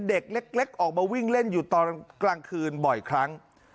เด็กเล็กออกมาวิ่งเล่นอยู่ตอนกลางคืนบ่อยครั้ง